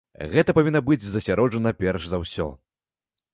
Гэта павінна быць засяроджана перш за ўсё.